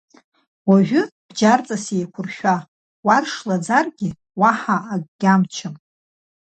Уажәа бџьарҵас еиқәыршәа, Уаршлаӡаргьы, уаҳа акгьамчым!